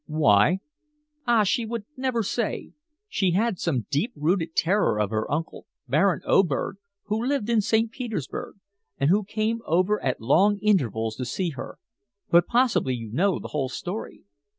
"Why?" "Ah! she would never say. She had some deep rooted terror of her uncle, Baron Oberg, who lived in St. Petersburg, and who came over at long intervals to see her. But possibly you know the whole story?"